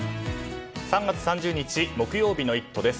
３月３０日木曜日の「イット！」です。